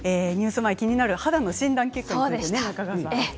ニュース前気になる肌の診断結果でした。